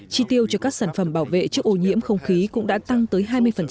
chi tiêu cho các sản phẩm bảo vệ trước ô nhiễm không khí cũng đã tăng tới hai mươi